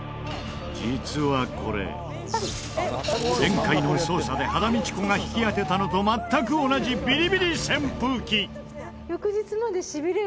実はこれ前回の捜査で羽田美智子が引き当てたのと全く同じビリビリ扇風機。